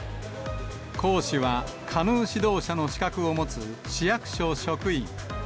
講師は、カヌー指導者の資格を持つ市役所職員。